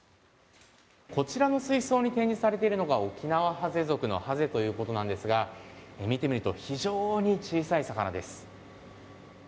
こちらの水槽に展示されているのがオキナワハゼ属のハゼということなんですが見てみると非常に小さい魚です。